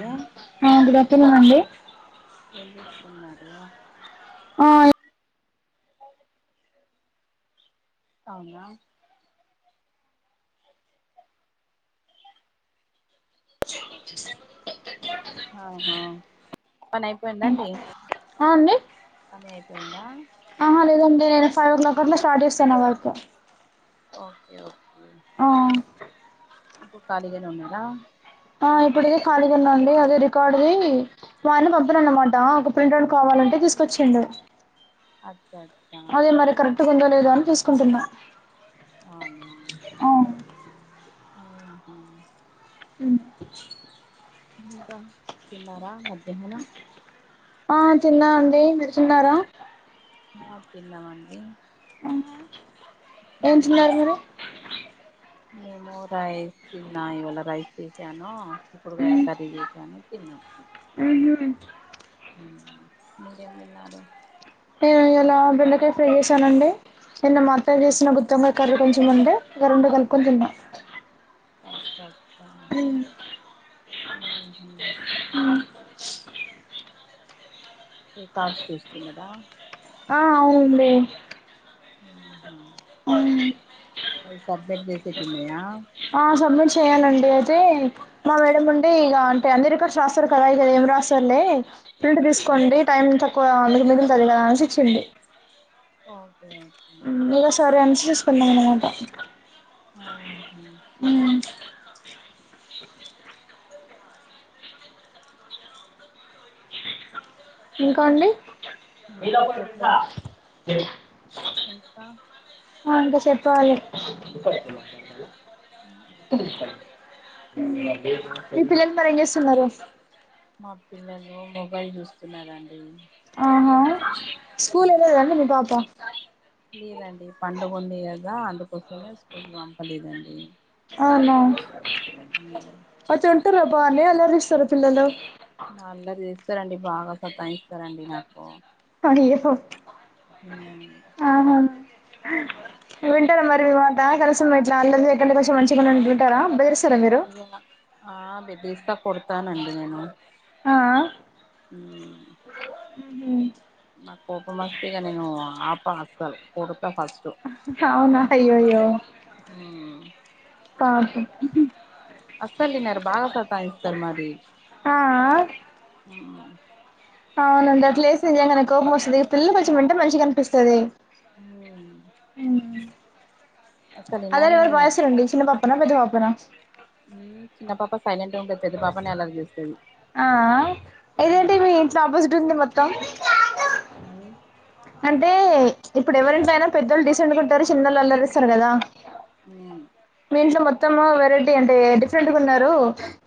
ఏం ఆ good afternoon అండి ఏం చేస్తున్నారు ఆ అవునా ఆహా పని అయిపోయిందా అండి ఆ అండి పని ఆహా లేదన్ నేను ఫైవ్ ఓ క్లాక్ అట్ల స్టార్ట్ చేస్తాను నా వర్కు ఓకే ఓకే ఆ ఇప్పుడు ఖాళీగానే ఉన్నారా ఆ ఇప్పుడే ఖాళీగా ఉన్నా అండి అదే రికార్డుది వారిని పంప అనమాట ఒక ప్రింట్ అడ్ కావాలి అంటే తీసుకొచ్చిండు అచ్చా అచ్చా లేద అని తీసుకుంటున్నా ఆనా ఆ అ ఇంకా తిన్నారా మధ్యాహ్నం ఆ తిన్న అండి మీరు చిన్నారా ఆ తిన్నామండి ఏం చిన్నారు మీరు నేము రైస్ తిన్నా ఇవాళ రైస్ తీసాను ఇప్పుడుగా మ్మ్, కరీగ చేశాను తిన్నాం మ్హూ. మీరెం తిన్నారు నేను ఇయాల బెండకాయ ఫ్రై చేశానండి నిన్న మాఅత్తయ్య చేసిన గుత్తంగాయ కర్రీ కొంచెం ఉండే రెండు కలుపుకొని తిన్నా అచ్చా రికార్డ్స్ చూస్తున్నారా ఆ అవును అండి ఉ సబ్మిట్ చేసేటున్నాయా ఆ సబ్మెట్ చెయాలండి అయితే మా మేడం ఉండే ఇక అంటే అందరి ఇక్కడ రాస్తారు కదయి కదా ఏమి రాసారులే ఫిల్ట్ తీసుకోండి టైం తక్కువండు మిగుల్ తదీ గదా అన్ షిచ్చిందీ ఓకే ఓకే ఉమ్ ఇగ సరే అన్ షిష్ కున్న అనామాట ఔనా ఇంకా అండి ఇంకా వెళ్ళకొండు పిల్ సా చెప్ప జెపి ఇంకా ఆ ఇంకా షేప్పాలే ఉమ్ మీ పిల్లల్ మరి ఏం జేస్తున్నరు మా పిల్లలు మొబైల్ జూస్తున్నారండి ఆహా స్కూల్ వెళ్ళలేదా అండి మీ పాప లేదండి పండగుంది గద అందుక్ పొద్దున్న స్కూల్ కీ పంపలేదండి ఉమ్ మచుంటారా బానే అల్లర్ జేస్తరా పిల్లలు అల్లర్ జేస్తారండి బాగా సత్తయిస్తారండి నాకు కనీ హో ఉమ్ ఆహా హ వింటారా మరి మీవాంతా కల్ సమ్మ ఇట్లా అల్లర్ జేయకుండా కొంచం ఎంటేం మంచిగునండ్రు టార బేదిరిస్తరా మీరు తీస్త కొడతానండి నేను ఆ అ ఉమ్ హై నాక్ కోపమోస్తే ఇగ నేను ఆప అస్సల్ కోడు ఆహ్ ఔనా అయ్యో అయ్యో ఉమ్ పాపమ్ ఉహ్ అస్సల్ దిన్నరు బాగా సతాయిస్తారు మరి ఆ ఔనండి అట్లేసే నిజంగనే కోపమోస్సది పిల్ల కోచ్చమంటే మంచిగానిపిస్తది ఉమ్ అసలు వినాలి అల్లరెవరు బా జెస్తరండి చిన్న పాపన పెద్దపాపనా ఉమ్ చిన్న పాప సైలెంట్ గుంటది పెద్దపాపనే అలర్ జేస్తది ఇదెంటీ మీ ఇంట్లో ఆపోజిట్ ఉంది మొత్తం మమ్మి క్యాదో ఏందీ అంటే ఇప్పుడు ఎవరింట్లైనా పెద్దోళ్ళు డిసెంటు గుంటరు చిన్నోళ్ళు అల్లర్ జేస్తర్ గదా ఉమ్ ఇంట్లో మొత్తము వెరైటీ అంటే డిఫ్ రెంట్ గున్నరు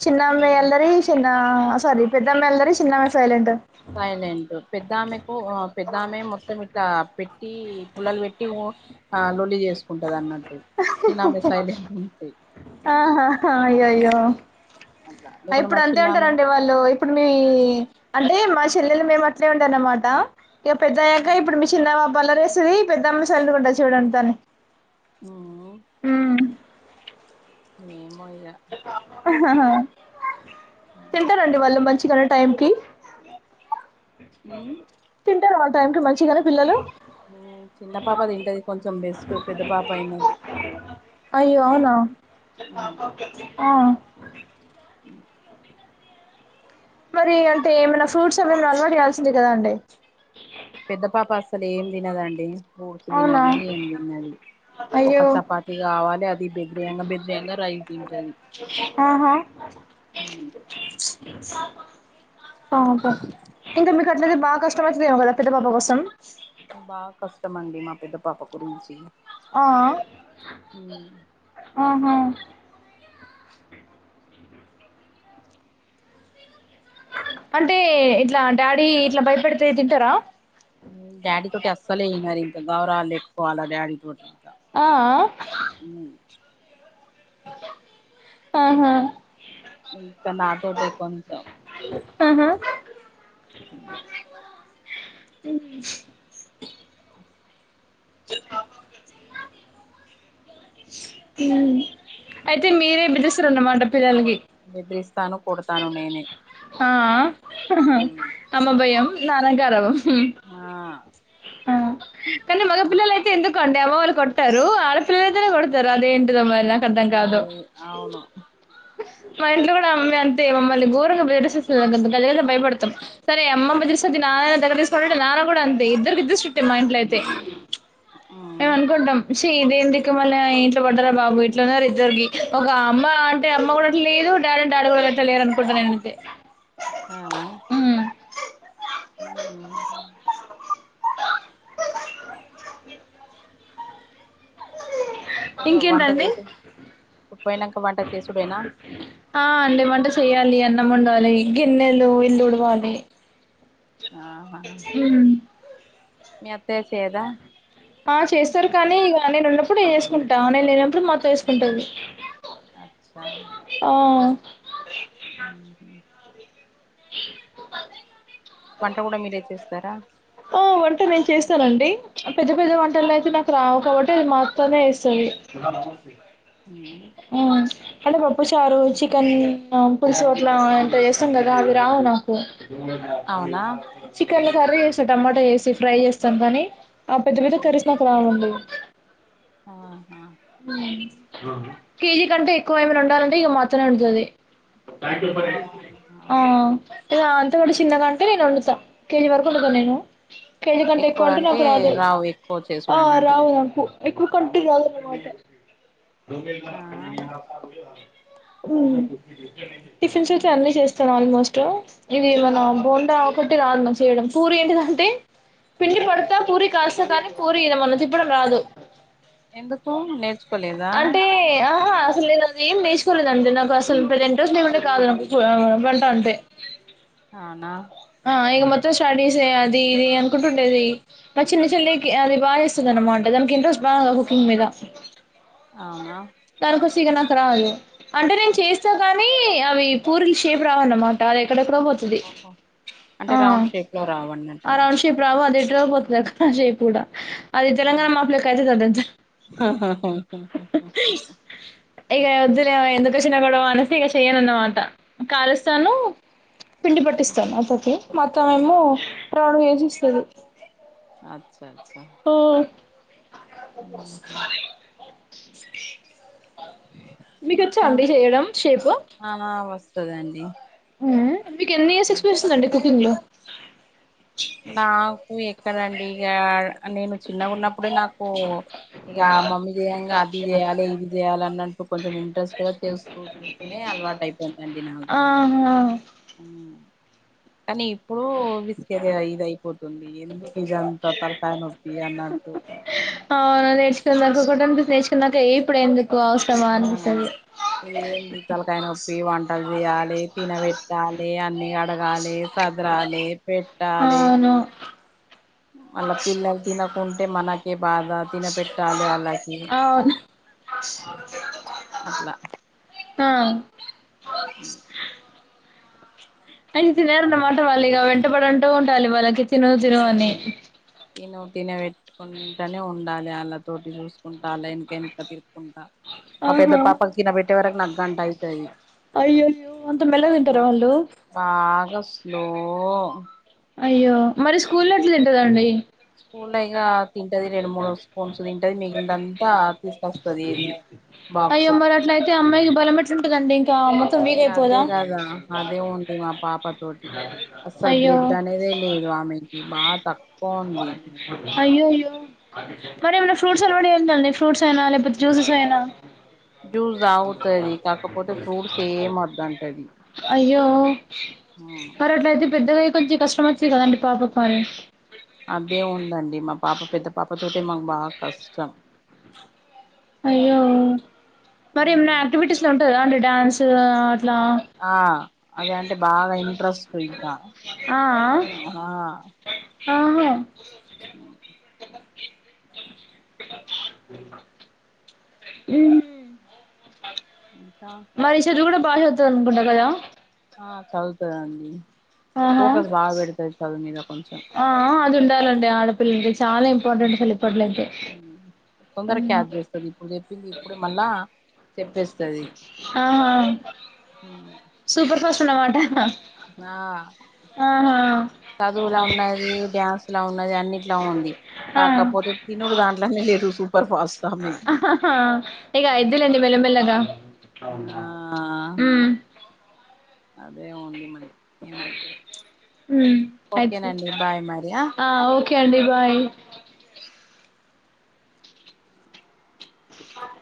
చిన్నమే అల్లరి చేన్ ఆ స్వారీ పెద్దామే అల్లరీ చిన్నామె సైలెంటు సైలెంటు పెద్దామెకు ఉ ఆ పెద్దామె మో మొత్తమీట్లా పెట్టి పుల్లల్ పెట్టి ఓన్ ఆ లోల్లి జేస్సుకుంటదన్నట్టు చిన్నామే సైలట్ ఉంటై ఆహాహా అయ్యోయ్యో అట్లా ఐ లేకుంటే మా ఇప్పుడంతే చిన్నామె ఉంటారండి వాళ్ళు ఇప్పుడు మీ అంటేమ్ మా చెల్లెలు మేము అట్లే ఉండే అనమాట ఇక పెదై ఐయ్యాక్ ఇంకా ఇప్పుడు మీ చిన్న పాప అల్లర్ జేస్తది పెద్దమ్మ సైలేంటుగ ఉంటది చూడండి తనే ఔనా ఏమోయి ఆహ్ ఆహా తింటరండి వాళ్ళు మంచిగనే టైం కి తింటార వాల్ టైంకి మంచిగనే పిల్లలు చిన్న పాప తింటది కొంచెం బెస్ట్ పెద్ద పాప అయినది అయో అవునా ఆ [inaudible] మరి అంటే ఏమైనా ఫ్రూట్స్ ఏమనా అలవాటు చేయాల్సిందే కదా అండి పెద్ద పాప అస్సలు ఏం తినదండి ఫ్రూట్స్ అవునా తినదు ఏం తిన్నది ఒక అయ్యో చపాతి కావాలి అది బెద్రేయంగా బెద్రేయంగా రైస్ తింటది ఆహా [unintelligible] పాపం ఇంకా మీకు అట్లయితే బాగా కష్టమైతదేమో కదా పెద్ద పాప కోసం బా కస్టమండి మా పెద్ద పాప గురించి ఆ ఆహ ఇగు అంటే ఇట్లా డాడీ ఇట్లా భయపడితే తింటారా డాడీ తోటి అస్సలే అయినారు ఇంకా గౌరలు ఎక్కువ అలా డాడీతోటి ఇంకా ఆ ఉ [unintelligible] ఆహా ఇక నాటోటే కొంత ఆహా ఆ తింజ్ చె అయితే మీరే బిజీరిస్తరణమాట పిల్లలకి తను కొడుతాను నేన్ ఆ అమ్మ భయం నాన్న గారాబం ఆ ఆ కానీ మగ పిల్లలైతే ఎందుకుం ఎవల్ కొట్టారు ఆడపిల్లయితేనే కొడతారు అదేంటిదోమరి మరి అవును మా ఇంట్లో కూడా అమ్మ అంతే మమ్మల్ని ఘోరంగా బదిరేస్తుద్ద తల్లి భయపడుతుంది సరే అమ్మమ్మ చూస్తాంది నాన్న దగ్గ తీసుకుంటే నాన్న కూడా అంతే ఇద్దరికి ఇద్దరు స్ట్రైటే మా ఇంట్లో అయితే మేం అనుకుంటాం చి ఇదేందిక్కుమాలినా ఇంట్లో పడ్డారా బాబు ఇ ఇట్లా ఉన్నారు ఇద్దరికి ఒక అమ్మ అంటే అమ్మ కూడా అట్లా లేదు డాడీ అని డాడీ కూడా ఇంట్ల లేరు అనుకుంటాను నేన్ అయితే ఆ ఆ వంట ఇంకేంటండి చేసే పోయినాక వంట చేసుడేనా ఆ అండి వంట చెయ్యాలి అన్నం వండాలి గిన్నెలు ఇల్లు ఉడ్వాలి ఆహ మీ అత్తయ్య చేయదా ఆ చేస్తారు కానీ ఇక నేను ఉన్నప్పుడు నేన్ చేేసుకుంటా నేను లేనప్పుడు మా చేసుకుంటాంది అచ్చా ఉహ్మ్ కు పే [unintelligible] వంట కూడా మీరే చేస్తారా ఆ వంట నేను చేస్తానండి పెద్ద పెద్ద వంటలు అయితే నాకు రావు కాబట్టి అది మ ఆత్తనే చెయ్యాలి ఉ అంటే పప్పు చారు చికెన్ పులుషోట్ల అంత చేస్తాం కదా అవి రావు అవునా చికెన్ కర్రీ వేస్తా టమాటా వేసి ఫ్రై చేస్తాం కానీ ఆ పెద్ద పెద్ద కర్రీస్ నాకు రావు ఆహా కేజీ కంటే ఎక్కువ ఏమినా ఉండాలంటే ఇక మా అత్తనే వండుతాది ఆ ఇ అంతకంటే చిన్నగా అంటే నేను వండుతా కేజీ వరకు వండుతా నేను కేజీ కంటే ఎక్కువ అంటే నాకు రాదు రావు ఎక్కువ చేసుడు ఆ అన్నట్టు రావు ఉప్పు ఎక్కువ కంటూ రాదున్నమాట [unintelligible] టిఫిన్స్ అయితే అన్నీ చేస్తాను ఆల్మోస్ట్ ఇది మనం బొండా ఒకట్టి రాదు చేయడం పూరి ఏంటిదంటే పిండి పడతా పూరి కాస్తే కానీ పూరి ఈయన మన తిప్పడం రాదు ఎందుకు నేర్చుకోలేదా అంటే ఆహా అసలు లేదు అది ఏం నేచుకోలేదంటే నాకు అసలు ప్రజెంట్ రోజులు ఏమంటే కాదు నా వంట అంటే అవునా ఆ ఇక మొత్తం స్టడీస్ అది ఇది అనుకుంటుండేది నా చిన్న చెల్లికి అది బాగా చేస్తుంది వంట బాగా దానికీ ఇంట్రెస్ట్ కుకింగ్ మీద అవునా దానికోసం నాకు రాదు అంటే నేను చేస్తా కానీ అవి పూరిలు షేప్ రావ అన్నమాట ఎక్కడెక్కడ పోతుంది ఓహో అంటే ఆ రౌండ్ షేప్ లో రావన్నట్టు ఆ రౌండ్ షీప్ రావు ఎ పోతుంది అ కయ కూడా అది తెలంగాణ మాపలకి అవుతు కాంత ఇక వద్దులే ఎందుకుచ్చిన గొడవ అనేసి ఇక చెయ్యనాన్న మా టా కాలస్తాను పిండి పట్టిస్తాను అత్తకీ మా అత్తమా ఏమో రౌండ్ గా చేసి ఇస్తది అచా అచ్చ ఓ మీక వచ్చా అండి ఇంకా చేయడం షేపు వాస్తదండి మీకు ఎన్ని ఇయర్స్ ఎక్స్పీరియన్స్ందండి కుకింగ్ లో నాకు ఎక్కడండి ఇక నేను చిన్నగా ఉన్నప్పుడే నాకు ఇక మమ్మీ చేయంగా అది చేయాలి ఇది చేయాలి అన్న అంట కొంచెం ఇంట్రెస్ట్ గా చేస్తూ చూస్తూనే అలవాటు అయిపోందండి నాకు ఆహా కానీ ఇప్పుడు విసికేది ఇది అయిపోతు అన్నట్టు అవునూ సో నాకు ఒకటి నేర్చుకున్నాక ఇప్పుడు ఎందుకు అవసరమా ఆ అనిపిస్తుంది ఇది జ తలకాయ నొప్పి వంటలు తీయాలి తినబెట్టాలి అన్ని కడగాలి సదరాలి పెట్టాలి అవును మళ్ళ పిల్లలు తినకుంటే మనకే బాధ తినపెట్టాలి ఆళ్ళకి అవును అట్లా ఆ హ అయితే తినేరన్నమాట వాళ్ళు ఇక వెంటపడంటూ ఉండాలి వాళ్ళకి తిను తను అని తిన తినబెట్టుకుంటనే ఉండాలి అళ్ళతోటి చూసుకుంటా అలా వెనక వెనక తిరుక్కుంటా మా పెద్ద ఆహా పాపకు తినబెట్టే వరకు నాకు గంట అయితది అయ్యయ్యో అంత మెల్లగా తింటారా వాళ్ళు బాగా స్లో అయ్యో మరి స్కూల్ట్లు తింటుదండి స్కూల్లో ఇగా తింటది రెండు మూడు స్పూన్స్ తింటది మిగిలిందంతా తీసుకొస్తది అయ్యో బాక్స్ మరిట్లయితే అమ్మాయికి బలం ఎట్లుంటుందండి ఈ అదే కదా అదే ఉంది మా పాప రోటి అసలు అయ్యో బ్లడ్ అనేదే లేదు ఆమెకి బాగా తక్కువ ఉంది అయ్యయ్యో మరి ఏమైనా ఫ్రూట్స్ అలవాడ్ చేయండండి ఫ్రూట్స్ అయినా లేకపోతే జ్యూసెస్ అయినా జ్యూస్ తాగుతది కాకపోతే ఫ్రూట్స్ ఏం వద్దంటది అయ్యో మరి అట్లా అయితే పెద్దగా కొంచెం కష్టం వచ్చిది కదండి పాప మరి అదే ఉందండి మా పాప పెద్ద పాప తోటె మాకు బాగా కష్టం అయ్యో మరి ఏమన్న యాక్టివిటీస్ లో ఉంటదా అండి డ్యాన్స్ అట్లా ఆ అది అంటే బాగా ఇంట్రెస్ట్ ఇంకా ఆ ఆ ఆహా ఉ అ మరి చెదువు కూడా బా చదువుతదనుకుంటా కదా ఆ చదువుతదండి ఆహా ఫోకస్ బాగా పెడతది చదువు మీద కొంచెం ఆ అదుండాలెండి ఆడ పిల్ పిల్లలకి చాలా ఇంపార్టెంట్ అసలు ఇప్పట్లో అయితే తొందర క్యాప్ చేస్తది ఇప్పుడు చెప్పింది ఇప్పుడే మళ్ళా చెప్పేస్తది ఆహా ఊ స్తున్నదట ఆ చదువులా ఉన్నది డ్యాన్సు లా ఉన్నది అన్నిట్లా ఉంది కాకపోతే తినుడు దాంట్లోనే ఎరుగు ఇగ అయ్యిదిలెండి మెల్ల మెల్ల గా ఆ అదే ఓన్లీ మరి ఏమైతదొ మ్మ్ అయిద్ది ఓకేనండి బాయ్ మరి ఆ ఓకే అండి బాయ్ బాయ్